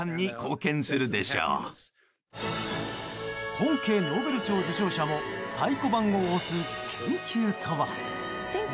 本家ノーベル賞受賞者も太鼓判を押す研究とは。